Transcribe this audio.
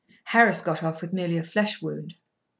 Harris got off with merely a flesh wound.